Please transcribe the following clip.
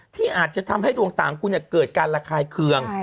ที่อาจจะทำให้ดวงตาของคุณเกิดการระคายเคือง